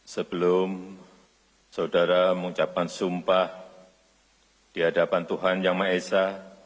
sebelum saudara mengucapkan sumpah di hadapan tuhan yang maha esa